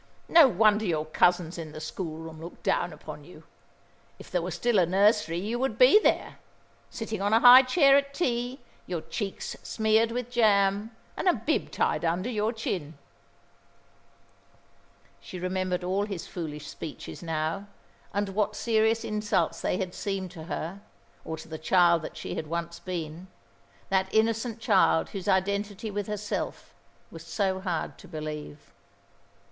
No wonder your cousins in the school room look down upon you. If there were still a nursery, you would be there, sitting on a high chair at tea, your cheeks smeared with jam, and a bib tied under your chin." She remembered all his foolish speeches now, and what serious insults they had seemed to her, or to the child that she had once been that innocent child whose identity with herself was so hard to believe.